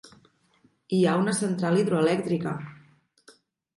Hi ha una central hidroelèctrica.